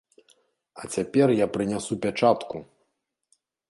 А цяпер я прынясу пячатку!